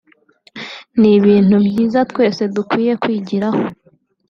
ni ibintu byiza twese dukwiye kwigiraho